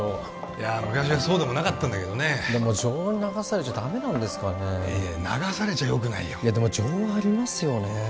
いや昔はそうでもなかったんだけどねでも情に流されちゃダメなんですかねいや流されちゃよくないよいやでも情はありますよね